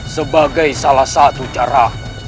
sebagai salah satu cara